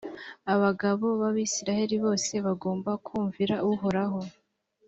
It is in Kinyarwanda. abagabo b’abayisraheli bose bagomba kumvira uhoraho,